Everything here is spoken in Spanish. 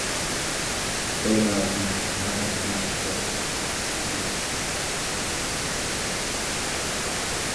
Suelen almacenar alimentos para su uso posterior.